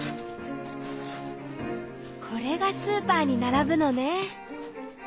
これがスーパーにならぶのね。